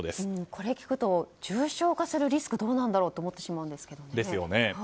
これを聞くと、重症化するリスクはどうなんだろうと思ってしまうんですけど。